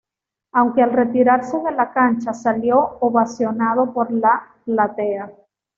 Aunque al retirarse de la cancha salió ovacionado por la platea.